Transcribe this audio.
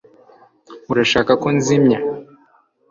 Urashaka ko nzimya